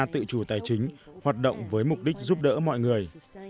tự chủ tài chính hoạt động với mục đích giúp đỡ mọi người